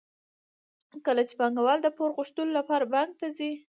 کله چې پانګوال د پور غوښتلو لپاره بانک ته ځي